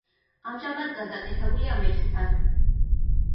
ამჟამად გადაკეთებულია მეჩეთად.